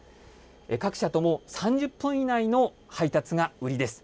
各社とも、３０分以内の配達が売りです。